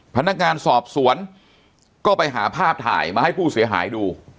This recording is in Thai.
พนักงานสอบสวนก็ไปหาภาพถ่ายมาให้ผู้เสียหายดู